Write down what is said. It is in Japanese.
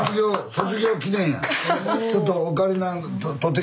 卒業記念やこれ。